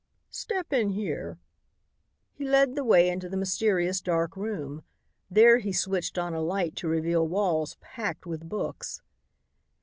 "Step in here." He led the way into the mysterious dark room. There he switched on a light to reveal walls packed with books.